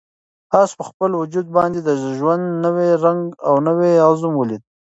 آس په خپل وجود باندې د ژوند نوی رنګ او نوی عزم ولید.